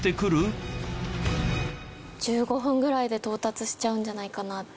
１５分ぐらいで到達しちゃうんじゃないかなって思います。